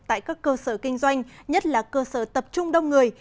tại các cơ sở kinh doanh nhất là cơ sở tập trung đông người